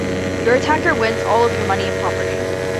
Your attacker wins all of your money and property.